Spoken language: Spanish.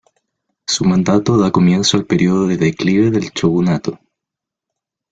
Su mandato da comienzo al período de declive del shogunato.